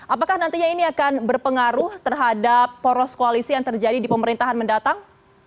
apakah nantinya ini akan berpengaruh terhadap poros koalisi yang terjadi di pemerintahan mendatang